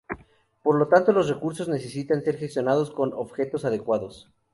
Por lo tanto los recursos necesitan ser gestionados con objetos adecuados.